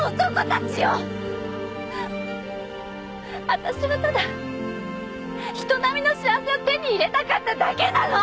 私はただ人並みの幸せを手に入れたかっただけなの！